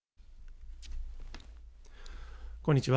こんにちは。